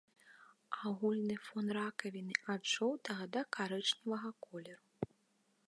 Агульны фон ракавіны ад жоўтага да карычневага колеру.